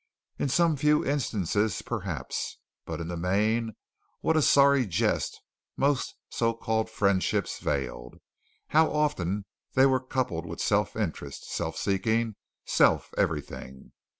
In some few instances, perhaps, but in the main what a sorry jest most so called friendships veiled! How often they were coupled with self interest, self seeking, self everything!